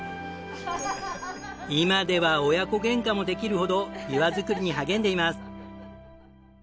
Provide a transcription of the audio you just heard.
今では親子ゲンカもできるほどビワ作りに励んでいます。